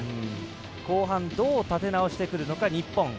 後半どう立て直してくるのか、日本。